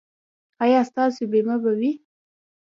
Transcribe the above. ایا ستاسو بیمه به وي؟